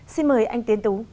xin mời anh tiến tú